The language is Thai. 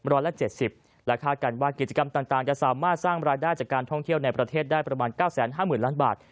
ร้อยละ๗๐และคาดกันว่ากิจกรรมต่างจะสามารถสร้างรายได้จากการท่องเที่ยวในประเทศได้ประมาณ๙๕๐๐๐ล้านบาท